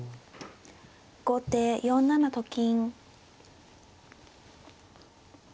後手４七と金。